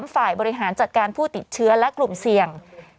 ฝ่ายบริหารจัดการผู้ติดเชื้อและกลุ่มเสี่ยง